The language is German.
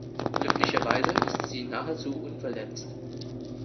Glücklicherweise ist sie nahezu unverletzt.